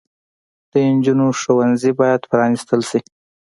د انجونو ښوونځي بايد پرانستل شي